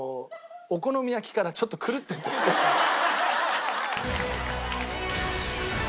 お好み焼きからちょっと狂っていって少しずつ。